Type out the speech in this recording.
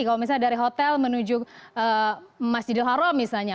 kalau misalnya dari hotel menuju masjidil haram misalnya